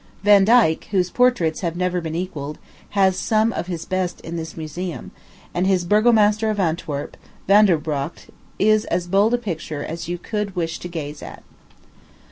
Vandyke, whose portraits have never been equalled, has some of his best in this museum; and his Burgomaster of Antwerp, Vander Brocht, is as bold a picture as you could wish to gaze at.